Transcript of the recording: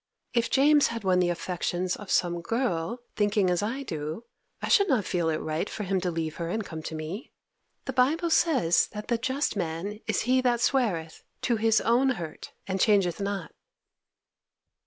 If James had won the affections of some girl, thinking as I do, I should not feel it right for him to leave her and come to me. The Bible says that the just man is he that sweareth to his own hurt and changeth not.